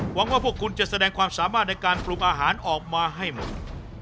หวังว่าพวกคุณจะแสดงความสามารถในการปรุงอาหารออกมาให้หมด